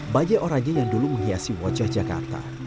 bajai orangnya yang dulu menghiasi wajah jakarta